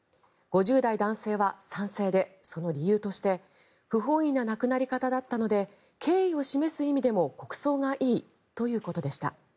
５０代男性は賛成でその理由として不本意な亡くなり方だったので敬意を示す意味でも国葬がいいということでした。